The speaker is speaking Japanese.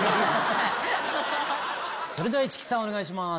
それでは市來さんお願いします。